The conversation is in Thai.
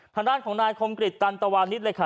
ธนาฬของนายคมกฤษตันตวรรณิสเลยค่ะ